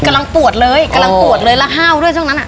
กำลังปวดเลยกำลังปวดเลยแล้วห้าวด้วยช่วงนั้นอ่ะ